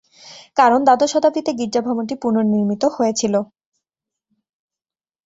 কারণ দ্বাদশ শতাব্দীতে গির্জা ভবনটি পুনর্নির্মিত হয়েছিল।